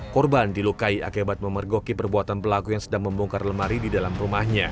korban dilukai akibat memergoki perbuatan pelaku yang sedang membongkar lemari di dalam rumahnya